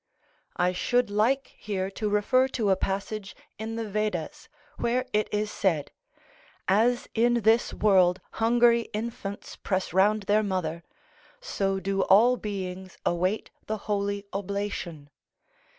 I should like here to refer to a passage in the Vedas, where it is said: "As in this world hungry infants press round their mother; so do all beings await the holy oblation."